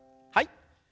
はい。